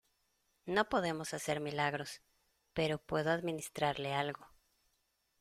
no podemos hacer milagros, pero puedo administrarle algo.